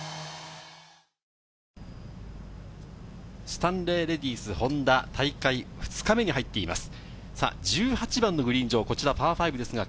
スタンレーレディスホンダ、大会２日目に入っています。